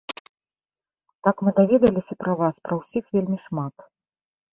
Там мы даведаліся пра вас пра ўсіх вельмі шмат.